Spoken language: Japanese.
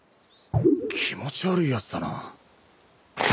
気持ち悪いやつだな。